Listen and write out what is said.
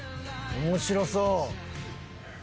面白そう。